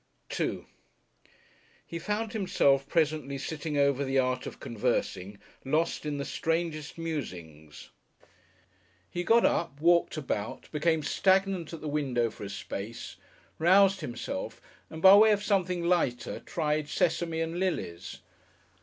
§2 He found himself presently sitting over "The Art of Conversing," lost in the strangest musings. He got up, walked about, became stagnant at the window for a space, roused himself and by way of something lighter tried "Sesame and Lilies."